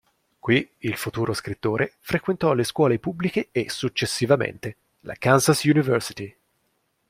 Qui, il futuro scrittore frequentò le scuole pubbliche e, successivamente, la Kansas University.